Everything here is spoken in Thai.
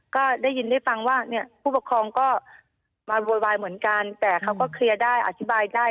ก็ได้ยินได้ฟังว่าเนี่ยผู้ปกครองก็มาโวยวายเหมือนกันแต่เขาก็เคลียร์ได้อธิบายได้